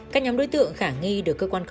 xâm dập đến